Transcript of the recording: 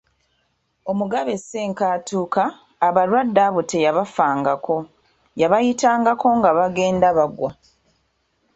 Omugabe Ssenkaatuuka, abalwadde abo teyabafaangako, yabayitangako nga bagenda bagwa.